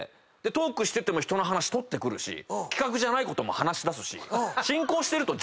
トークしてても人の話取ってくるし企画じゃないことも話しだすし。